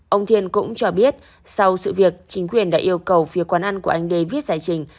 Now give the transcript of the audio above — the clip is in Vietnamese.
ông thiên cũng cho biết sau sự việc chính quyền đã yêu cầu phía quán ăn của anh đê viết giải trình